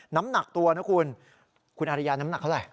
น้ำหนักตัวนะคุณคุณอริยาน้ำหนักเท่าไหร